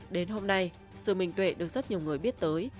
đến hôm nay sự minh tuệ được rất nhiều người biết tới